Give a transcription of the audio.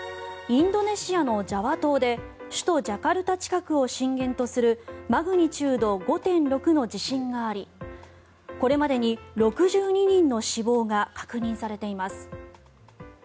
インドネシアのジャワ島で首都ジャカルタ近くを震源とするマグニチュード５．６の地震がありこれまでに６２人の死亡が確認されています。